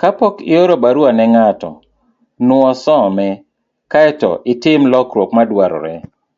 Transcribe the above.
Kapok ioro barua ne ng'ato, nuo some kae to itim lokruok madwarore.